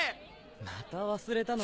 また忘れたの？